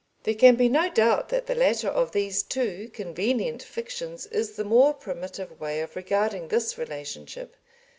There can be no doubt that the latter of these two convenient fictions is the more primitive way of regarding this relationship.